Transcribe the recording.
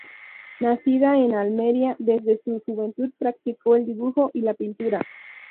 Nacida en Almería, desde su juventud practicó el dibujo y la pintura.